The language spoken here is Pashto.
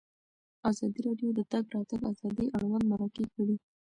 ازادي راډیو د د تګ راتګ ازادي اړوند مرکې کړي.